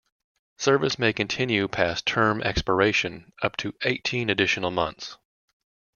Service may continue past term expiration up to eighteen additional months.